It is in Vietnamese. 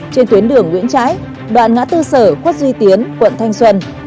trên tuyến đường nguyễn trãi đoàn ngã tư sở khuất duy tiến quận thanh xuân